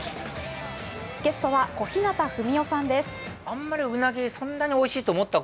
ゲストは小日向文世さんです。